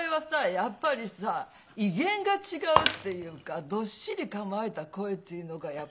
やっぱりさ威厳が違うっていうかどっしり構えた声っていうのがやっぱり特徴だと思いますね。